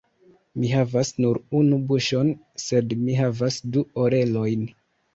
Mi havas nur unu buŝon, sed mi havas du orelojn.